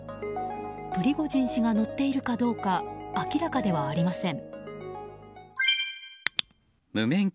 プリゴジン氏が乗っているかどうか明らかではありません。